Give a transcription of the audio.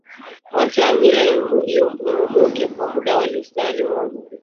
wacha hamira imumuke kwa mda wa lisaa limoja